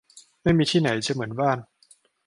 ไม่มีที่ไหนจะเหมือนบ้าน